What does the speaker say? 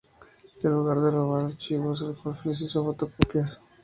En lugar de robar los archivos, Wolfe les hizo fotocopias.